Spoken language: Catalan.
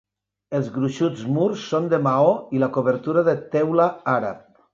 Els gruixuts murs són de maó, i la cobertura de teula àrab.